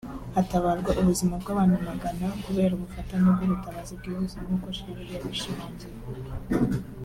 hatabarwa ubuzima bw’abantu amagana kubera ubufatanye bw’ubutabazi bwihuse nk’uko Shearer yabishimangiye